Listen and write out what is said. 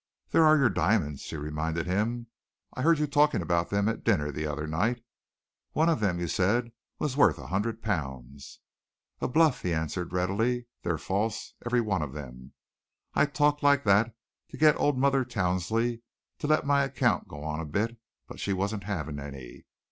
"There are your diamonds," she reminded him. "I heard you talking about them at dinner the other night. One of them you said was worth a hundred pounds." "A bluff," he answered readily. "They are false, every one of them. I talked like that to get old mother Towsley to let my account go on a bit, but she wasn't having any.